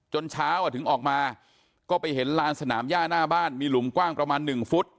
เช้าถึงออกมาก็ไปเห็นลานสนามย่าหน้าบ้านมีหลุมกว้างประมาณ๑ฟุต